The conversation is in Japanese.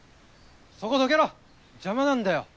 そこどけろ！邪魔なんだよ。